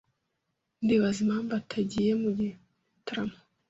Ndibaza impamvu atagiye mu gitaramo.